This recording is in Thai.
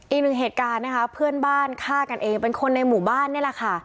อีกหนึ่งเหตุการณ์นะคะเพื่อนบ้านฆ่ากันเองเป็นคนในหมู่บ้านนี่แหละค่ะ